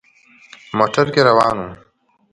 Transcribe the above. موټر کې روان وو.